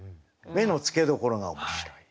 目の付けどころが面白い。